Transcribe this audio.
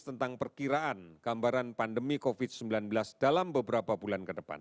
tentang perkiraan gambaran pandemi covid sembilan belas dalam beberapa bulan ke depan